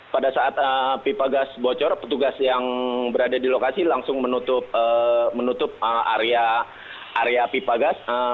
pada saat pipa gas bocor petugas yang berada di lokasi langsung menutup area pipa gas